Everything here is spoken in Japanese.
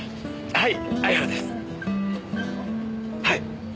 はい。